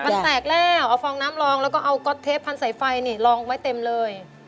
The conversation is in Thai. มันแตกแล้วเอาฟองน้ำลองแล้วก็เอาก๊อตเทปพันสายไฟนี่ลองไว้เต็มเลย